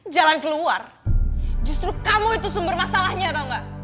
jalan keluar justru kamu itu sumber masalahnya tau gak